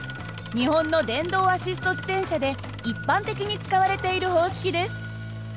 日本の電動アシスト自転車で一般的に使われている方式です。